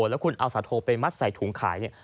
แล้วคุณเอาสาโทไปมัดใส่ถุงขายเนี่ย